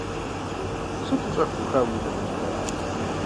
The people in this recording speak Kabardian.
Сыту щӏэх быуха уи унэ лъэжьыгъэр.